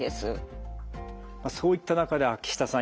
そういった中で秋下さん